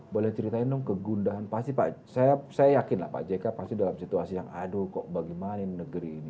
boleh ceritain dong kegundahan pasti pak saya yakin lah pak jk pasti dalam situasi yang aduh kok bagaimana ini negeri ini